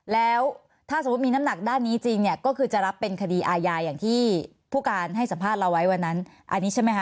แล้วถ้าสมมุติมีน้ำหนักด้านนี้จริงเนี่ยก็คือจะรับเป็นคดีอาญาอย่างที่ผู้การให้สัมภาษณ์เราไว้วันนั้นอันนี้ใช่ไหมคะ